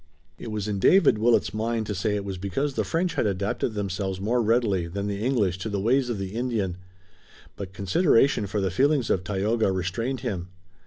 It was in David Willet's mind to say it was because the French had adapted themselves more readily than the English to the ways of the Indian, but consideration for the feelings of Tayoga restrained him.